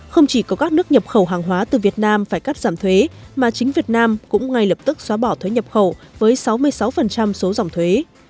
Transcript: không chỉ có các nước nhập khẩu hàng hóa từ việt nam phải cắt giảm thuế mà chính việt nam cũng ngay lập tức xóa bỏ thuế nhập khẩu với sáu mươi sáu số dòng thuế